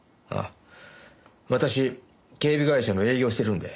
私警備会社の営業してるんで。